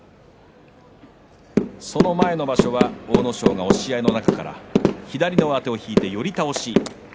その前の場所は阿武咲が押し合いの中から左の上手を引いて寄り倒し。